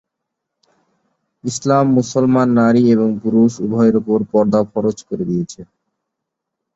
ইসলাম মুসলমান নারী এবং পুরুষ উভয়ের ওপর পর্দা ফরজ করে দিয়েছে।